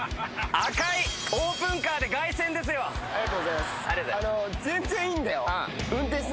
ありがとうございます。